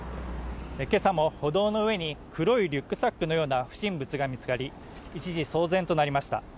今朝も歩道の上に黒いリュックサックのような不審物が見つかり、一時騒然となりました。